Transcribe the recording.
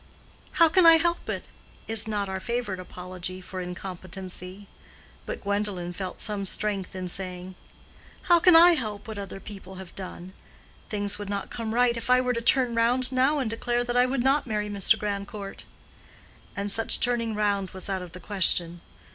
"How can I help it?" is not our favorite apology for incompetency. But Gwendolen felt some strength in saying, "How can I help what other people have done? Things would not come right if I were to turn round now and declare that I would not marry Mr. Grandcourt." And such turning round was out of the question.